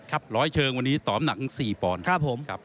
ร้อยเชิงวันนี้ต่ออำนักถึง๔ปอนด์